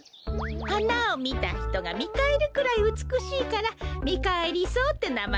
はなをみたひとがみかえるくらいうつくしいからミカエリソウってなまえがついたんだけど。